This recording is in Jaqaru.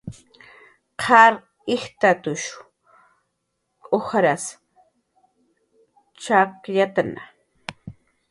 Qar ijtatush ujar chakyatna